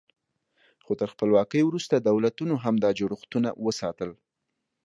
خو تر خپلواکۍ وروسته دولتونو هم دا جوړښتونه وساتل.